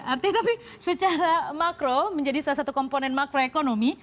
artinya tapi secara makro menjadi salah satu komponen makroekonomi